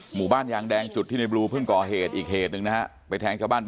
หมู่บ้านยางแดงจุดที่ในบลูเพิ่งก่อเหตุอีกเหตุหนึ่งนะครับ